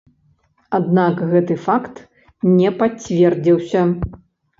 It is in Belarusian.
Аднак гэты факт не пацвердзіўся.